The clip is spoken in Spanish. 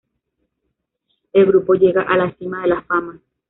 El grupo llega a la cima de la fama.